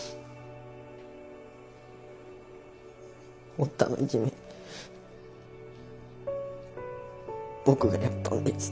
堀田のいじめ僕がやったんです。